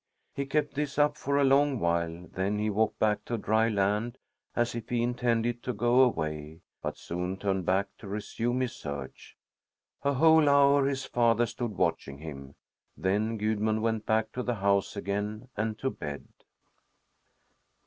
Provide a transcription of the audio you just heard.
He kept this up for a long while, then he walked back to dry land, as if he intended to go away, but soon turned back to resume his search. A whole hour his father stood watching him. Then Gudmund went back to the house again and to bed.